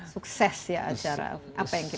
sukses ya acara apa yang kita